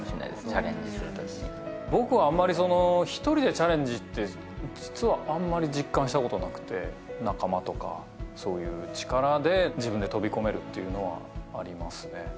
チャレンジする時に僕はあまり１人でチャレンジって実はあんまり実感したことなくて仲間とかそういう力で自分で飛び込めるっていうのはありますね